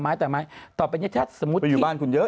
ต่อไปจะสมมุติที่มึงอยู่บ้านคุณเยอะนะ